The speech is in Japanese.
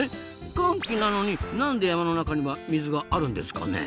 乾季なのになんで山の中には水があるんですかね？